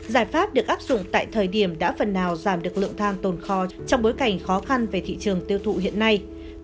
giải pháp được áp dụng tại thời điểm đã phần nào giảm được lượng than tồn kho trong bối cảnh khó khăn về thị trường tiêu thụ hiện nay